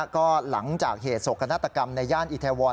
ก็หลังจากเหตุโศกนาฏกรรมในย่านอิทวร